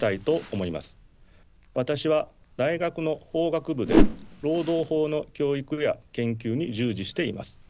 私は大学の法学部で労働法の教育や研究に従事しています。